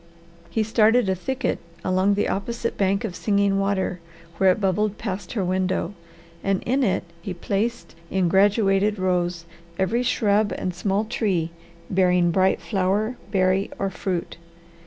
He started a thicket along the opposite bank of Singing Water where it bubbled past her window, and in it he placed in graduated rows every shrub and small tree bearing bright flower, berry, or fruit.